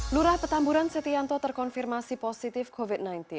lurah petamburan setianto terkonfirmasi positif covid sembilan belas